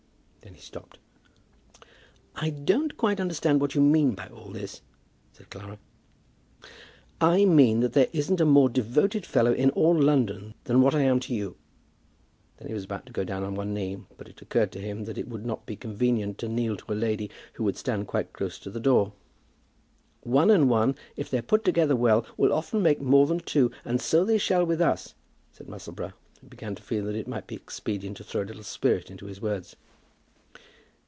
Then he stopped. "I don't quite understand what you mean by all this," said Clara. "I mean that there isn't a more devoted fellow in all London than what I am to you." Then he was about to go down on one knee, but it occurred to him that it would not be convenient to kneel to a lady who would stand quite close to the door. "One and one, if they're put together well, will often make more than two, and so they shall with us," said Musselboro, who began to feel that it might be expedient to throw a little spirit into his words.